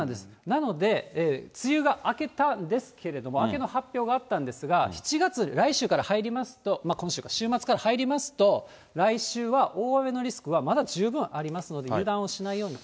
なので、梅雨が明けたんですけれども、明けの発表があったんですが、７月、来週から入りますと、今週か、週末から入りますと、来週は大雨のリスクはまだ十分ありますので、油断をしないように。